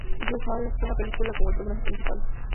Yū Aoi actuó en la película como el personaje principal.